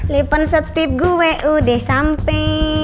lepon setip gue udah sampai